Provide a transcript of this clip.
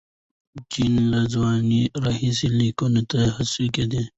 جین له ځوانۍ راهیسې لیکلو ته هڅول کېده.